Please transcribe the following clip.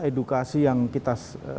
edukasi yang kita